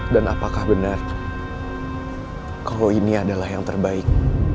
dan apakah benar kalau ini adalah yang terbaik